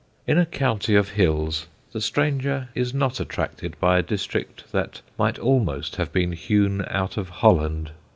In a county of hills the stranger is not attracted by a district that might almost have been hewn out of Holland.